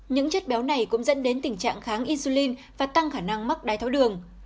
những chất béo này cũng dẫn đến tình trạng kháng isulin và tăng khả năng mắc đai tháo đường